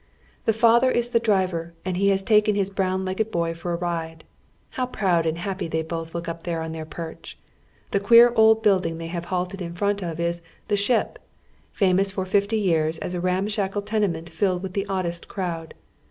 The father is the driver and lie has taken bis brown ieggetl boy for a ride. How proud and happy they both look up tbei e on tlieir perch ! The queer old building they have iialted in front of is " The Ship," famous for fifty years as a ramshackle tenement filled with the oddest crowd.